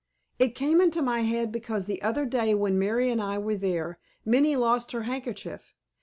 "It came into my head because the other day when Mary and I were there, Minnie lost her handkerchief.